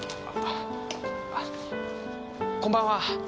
こんばんは。